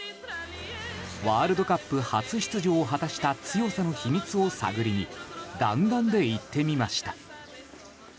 ワールドカップ初出場を果たした強さの秘密を探りに弾丸で行ってみました。